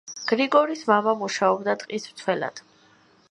გრიგორის მამა მუშაობდა ტყის მცველად.